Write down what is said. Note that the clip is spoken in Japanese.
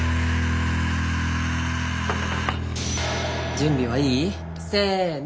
準備はいい？せの！